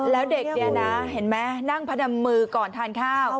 แล้วเด็กเนี่ยนะเห็นไหมนั่งพนมมือก่อนทานข้าว